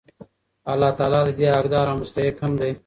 الله تعالی د دي حقدار او مستحق هم دی